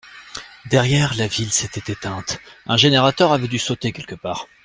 Derrière, la ville s’était éteinte: un générateur avait dû sauter quelque part.